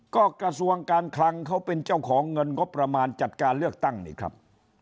ก็กระทรวงการคลังเขาเป็นเจ้าของเงินงบประมาณจัดการเลือกตั้งนี่ครับ